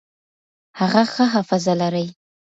هغه ښه حافظه لري.